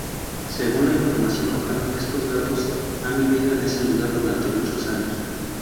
Según la información local, estos gatos han vivido en ese lugar durante muchos años.